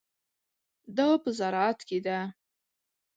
دا په زراعت کې ده.